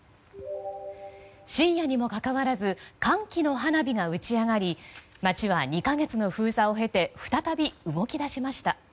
深夜にもかかわらず歓喜の花火が打ち上がり街は２か月の封鎖を経て再び動き出しました。